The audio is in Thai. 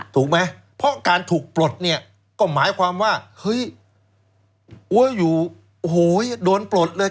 ถูกไหมเพราะการถูกปลดเนี่ยก็หมายความว่าเฮ้ยอ้วอยู่โอ้โหโดนปลดเลย